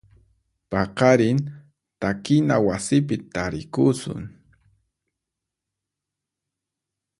Paqarin takina wasipi tarikusun.